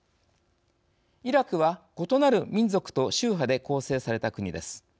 イラクは、異なる民族と宗派で構成された国です。